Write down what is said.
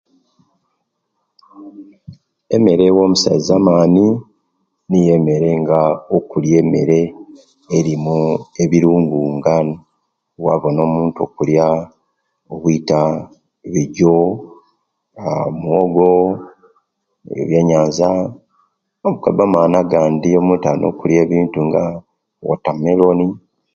Emere ewa omusaiza amani niyo emere nga okulya emere erimu ebirungo nga bwabona omuntu okulya obwita, ebijo aa muwogo, ebyenyanza, ougaba amani agandi omuntu alina okulya ebintu nga wota melon,